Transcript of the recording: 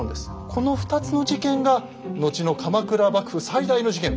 この２つの事件が後の鎌倉幕府最大の事件